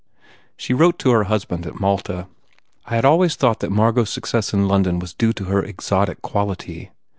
She wrote to her husband at Malta: "I had always thought that M argot s success in London was due to her exotic quality.